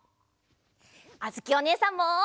あづきおねえさんも。